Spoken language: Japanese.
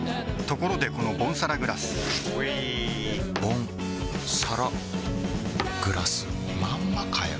ところでこのボンサラグラスうぃボンサラグラスまんまかよ